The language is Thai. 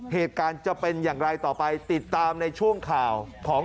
เหตุการณ์จะเป็นอย่างไรต่อไปติดตามในช่วงข่าวของ